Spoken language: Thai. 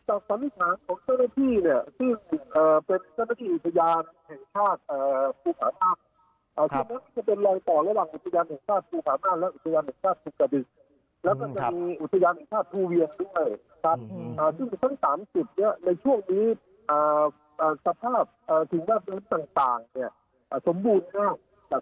จากศาลนิษฐานของเจ้าหน้าที่เนี่ยซึ่งเป็นเจ้าหน้าที่อุทยานแห่งภาพภูเขาภาพ